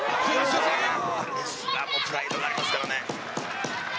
プライドがありますからね。